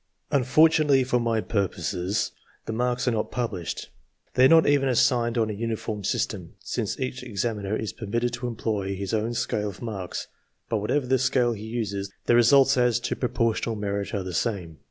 Unfortunately for my purposes, the marks are not published. They are not even assigned on a uniform system, since each examiner is permitted to employ his own scale of marks ; but whatever scale he uses, the results as to proportional merit are the same.